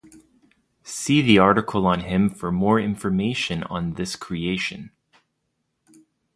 See the article on him for more information on this creation.